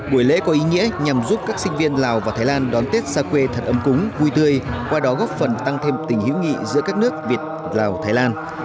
buổi lễ có ý nghĩa nhằm giúp các sinh viên lào và thái lan đón tết xa quê thật ấm cúng vui tươi qua đó góp phần tăng thêm tình hữu nghị giữa các nước việt lào thái lan